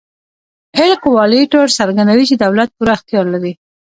اېل کورالیټو څرګندوي چې دولت پوره اختیار لري.